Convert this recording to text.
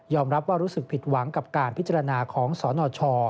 รับว่ารู้สึกผิดหวังกับการพิจารณาของสนช